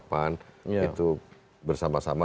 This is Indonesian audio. pan itu bersama sama